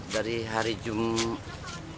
dari hari jumat